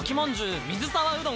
水沢うどん